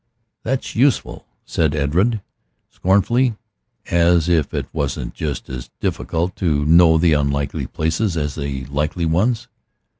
"That's useful," said Edred scornfully. "As if it wasn't just as difficult to know the unlikely places as the likely ones."